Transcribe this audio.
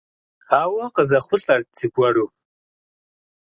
Ауэ къызэхъулӀэрт зыгуэру.